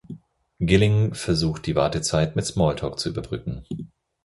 Gilling versucht die Wartezeit mit Smalltalk zu überbrücken.